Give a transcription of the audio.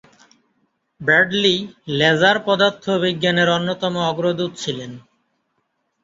Bradley laser পদার্থবিজ্ঞানের অন্যতম অগ্রদূত ছিলেন।